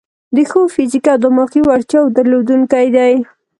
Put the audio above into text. د ښو فزیکي او دماغي وړتیاوو درلودونکي دي.